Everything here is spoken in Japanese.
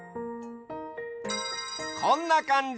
こんなかんじ！